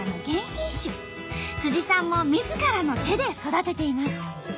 さんもみずからの手で育てています。